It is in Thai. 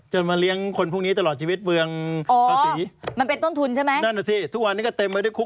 จนมาเลี้ยงคนพวกนี้ตลอดชีวิตเบืองภาษี